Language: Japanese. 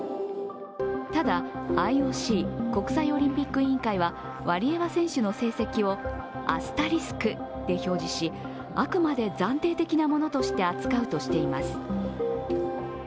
ただ、ＩＯＣ＝国際オリンピック委員会はワリエワ選手の成績をアスタリスクで表示しあくまで暫定的なものとして扱うとしています。